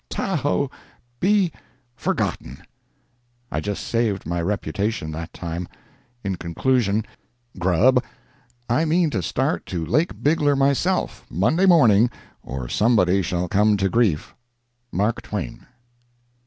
"Tahoe" be—forgotten! I just saved my reputation that time. In conclusion, "Grub," I mean to start to Lake Bigler myself, Monday morning, or somebody shall come to grief. MARK TWAIN.